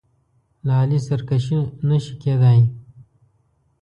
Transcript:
له علي سرکشي نه شي کېدای.